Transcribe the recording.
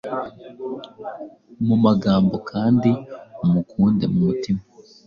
mumagambo kandi umukunde mumutima